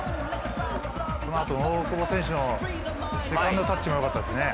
このあとの大久保選手のセカンドタッチも良かったですね。